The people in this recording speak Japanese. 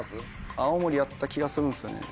青森やった気がするんですよね